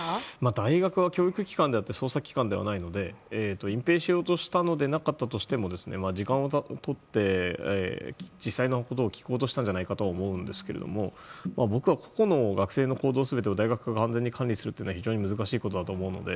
大学は教育機関であって捜査機関ではないので隠ぺいしようとしたのではなくても時間をとって、実際のことを聞こうとしたんじゃないかと思うんですけれども僕は個々の学生の行動全てを大学側が完全に管理するのは難しいことだと思うので。